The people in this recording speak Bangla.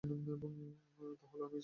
তাহলে, আমি যাই।